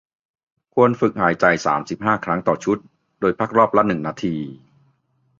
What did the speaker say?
ควรฝึกหายใจ สามสิบห้า ครั้งต่อชุด โดยพักรอบละ หนึ่ง นาที